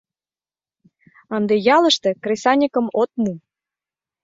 Ынде ялыште кресаньыкым от му...